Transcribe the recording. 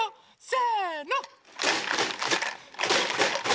せの！